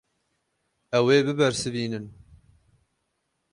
Ew ê bibersivînin.